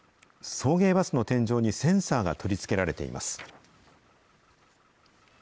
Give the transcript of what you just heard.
送迎バスの天井にセンサーが取り付けられています。